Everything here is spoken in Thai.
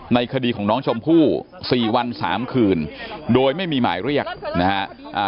คดีของน้องชมพู่สี่วันสามคืนโดยไม่มีหมายเรียกนะฮะ